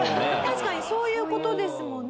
確かにそういう事ですもんね。